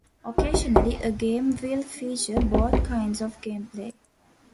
Occasionally, a game will feature both kinds of gameplay.